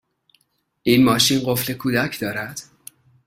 این ماشین قفل کودک دارد؟